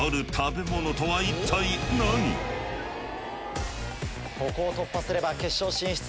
さてここを突破すれば決勝進出。